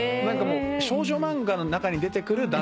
少女漫画の中に出てくる男性みたいな。